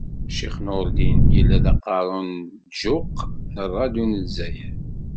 Ccix Nurdin yella d aqerru n lǧuq n rradyu n Lezzayer.